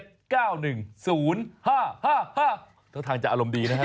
ทางจากอารมณ์ธรรมดีนะครับ